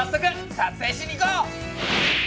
撮影しに行こう！